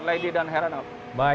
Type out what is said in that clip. lady dan heranau